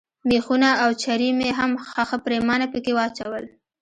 مېخونه او چرې مې هم ښه پرېمانه پکښې واچول.